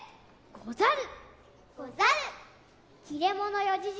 ござる！